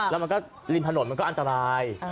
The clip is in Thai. แล้วมันก็ริมถนนมันก็อันตราย